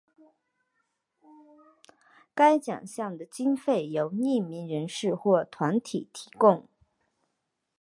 该奖项的经费由匿名人士或团体提供。